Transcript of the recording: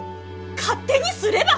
勝手にすれば！